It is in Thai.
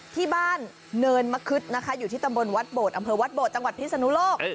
ที่บ้านเนินมะคึดนะคะอยู่ที่ตำบลวัดโบดอำเภอวัดโบดจังหวัดพิศนุโลก